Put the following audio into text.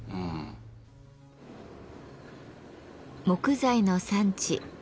木材の産地